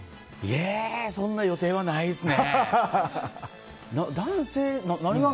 そんな予定はないですね。